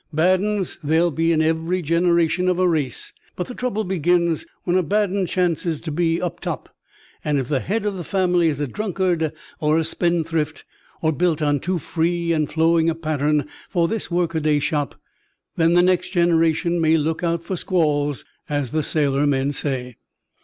Bad uns there'll be in every generation of a race; but the trouble begins when a bad un chances to be up top; and if the head of the family is a drunkard, or a spendthrift, or built on too free and flowing a pattern for this work a day shop, then the next generation may look out for squalls, as the sailor men say.